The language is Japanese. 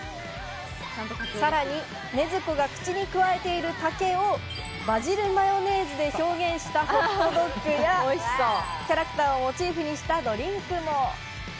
さらに禰豆子が口にくわえている竹をバジルマヨネーズで表現したホットドッグや、キャラクターをモチーフにしたドリンクも。